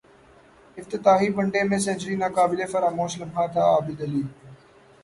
افتتاحی one day میں century ناقابل فراموش لمحہ تھاعابدعلی